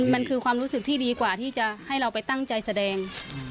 มันคือความรู้สึกที่ดีกว่าที่จะให้เราไปตั้งใจแสดง